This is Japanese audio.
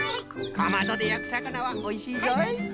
かまどでやくさかなはおいしいぞい！